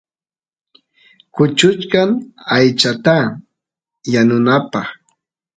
kuchuchkan aychata yanunapaq